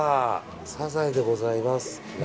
サザエでございます。